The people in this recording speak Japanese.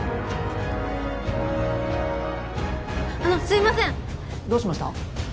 あのすいませんどうしました？